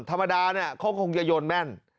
ธรรมดาเนี่ยเขาคงจะโยนแม่น